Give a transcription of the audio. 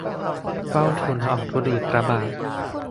เฝ้าทูลละอองธุลีพระบาท